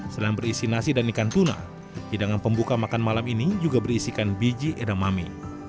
selain berisi nasi dan ikan tuna hidangan pembuka makan malam ini juga berisikan biji edamame